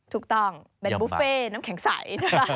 ถูกต้องเป็นบุฟเฟ่น้ำแข็งใส